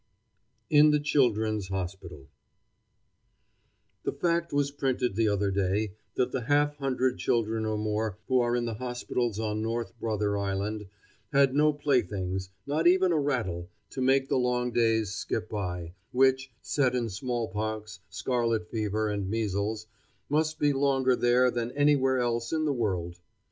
IN THE CHILDREN'S HOSPITAL The fact was printed the other day that the half hundred children or more who are in the hospitals on North Brother Island had no playthings, not even a rattle, to make the long days skip by, which, set in smallpox, scarlet fever, and measles, must be longer there than anywhere else in the world.